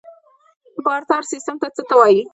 بارتر سیستم څه ته وایي؟